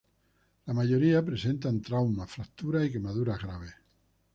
La mayoría presentan traumas, fracturas y quemaduras graves.